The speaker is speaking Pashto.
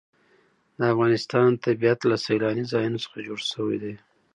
د افغانستان طبیعت له سیلاني ځایونو څخه جوړ شوی دی.